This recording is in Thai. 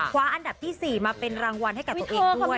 คว้าอันดับที่๔มาเป็นรางวัลให้กับตัวเองด้วย